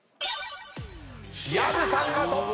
薮さんがトップ！